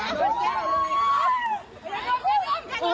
โอ้ยนี่เหรอ